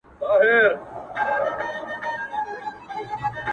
د پيغورونو په مالت کي بې ريا ياري ده ـ